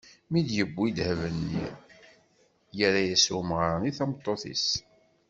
Mi d-yewwi ddheb-nni, yerra-as umɣar-nni tameṭṭut-is.